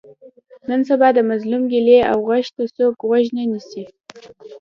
نن سبا د مظلوم ګیلې او غږ ته څوک غوږ نه نیسي.